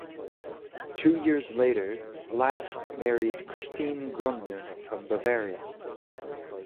Two years later, Last married Christine Grundner from Bavaria.